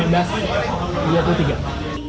kedai kopi apek